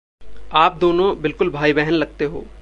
आप दोनों बिलकुल भाई-बहन लगते हो।